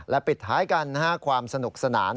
ปิดท้ายกันความสนุกสนาน